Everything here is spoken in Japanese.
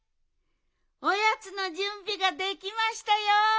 おやつのじゅんびができましたよ。